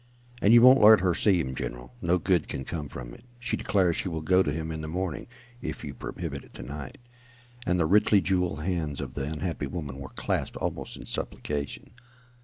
"And you won't let her see him, general. No good can come from it. She declares she will go to him in the morning, if you prohibit it to night," and the richly jewelled hands of the unhappy woman were clasped almost in supplication.